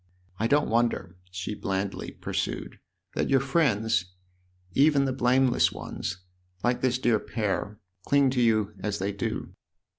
I don't wonder," she blandly pursued, " that your friends, even the 22 THE OTHER HOUSE blameless ones, like this dear pair, cling to you as they do."